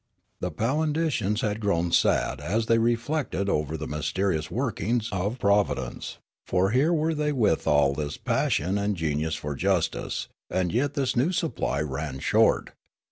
The Palindicians had grown sad as they reflected over the mysterious workings of Providence ; for here were they with all this passion and genius for justice ; 266 Riallaro and yet this new supply ran short.